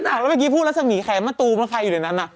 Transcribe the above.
แล้วเมื่อกี้พูดรัศมีแขมะตูมใครอยู่ในนั้นน่ะ